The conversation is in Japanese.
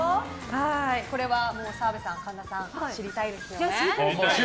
これは澤部さん、神田さん知りたいですよね。